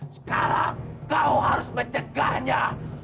sekarang kau harus mencegahnya